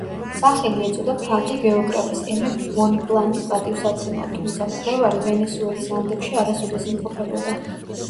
სახელი ეწოდა ფრანგი გეოგრაფის ემე ბონპლანის პატივსაცემად, თუმცა მკვლევარი ვენესუელის ანდებში არასოდეს იმყოფებოდა.